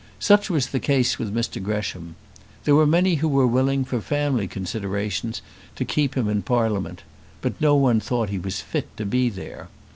Such was the case with Mr Gresham. There were many who were willing, for family considerations, to keep him in Parliament; but no one thought that he was fit to be there.